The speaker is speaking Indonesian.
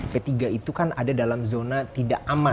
p tiga itu kan ada dalam zona tidak aman